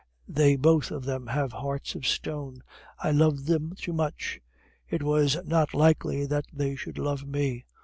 They both of them have hearts of stone. I loved them too much; it was not likely that they should love me.